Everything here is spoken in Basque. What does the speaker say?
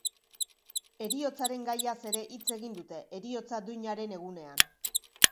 Heriotzaren gaiaz ere hitz egin dute, heriotza duinaren egunean.